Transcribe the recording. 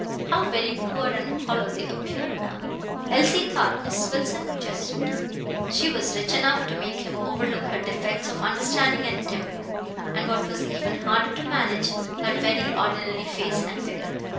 How very poor and hollow they appeared now! Elsie thought Miss Wilson would just suit him. She was rich enough to make him overlook her defects of understanding and temper, and what was even harder to manage, her very ordinary face and figure.